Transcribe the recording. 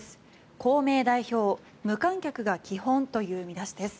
公明代表、無観客が基本という見出しです。